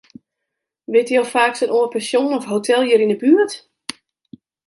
Witte jo faaks in oar pensjon of in hotel hjir yn 'e buert?